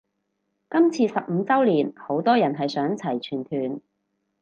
今次十五周年好多人係想齊全團